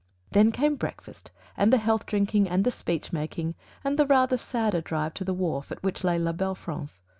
Then came the breakfast and the health drinking and the speech making and the rather sadder drive to the wharf at which lay La Belle France.